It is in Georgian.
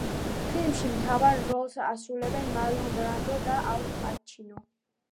ფილმში მთავარ როლებს ასრულებენ მარლონ ბრანდო და ალ პაჩინო.